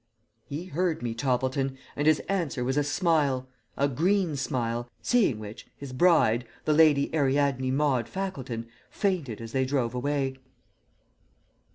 "He heard me, Toppleton, and his answer was a smile a green smile seeing which his bride, the Lady Ariadne Maude Fackleton, fainted as they drove away.